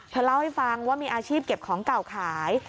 เล่าให้ฟังว่ามีอาชีพเก็บของเก่าขาย